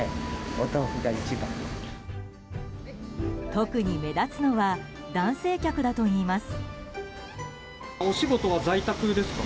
特に目立つのは男性客だといいます。